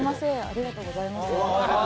ありがとうございます。